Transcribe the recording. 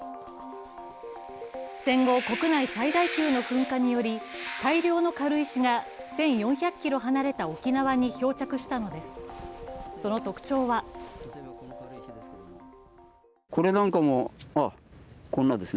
戦後国内最大級の噴火により大量の軽石が１４００ｋｍ離れた沖縄に漂着したのです。